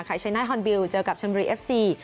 ชัยชัยไนท์ฮอนบิลเจอกับชันบุรีเอฟซี